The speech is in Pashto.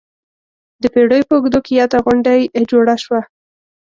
د پېړیو په اوږدو کې یاده غونډۍ جوړه شوه.